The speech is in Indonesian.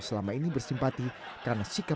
selama ini bersimpati karena sikap